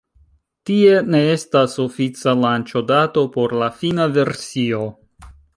Tie ne estas ofica lanĉo-dato por la fina versio.